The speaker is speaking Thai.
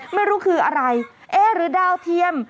ไม่รู้คืออะไรเอ๊ะหรือดาวเทียม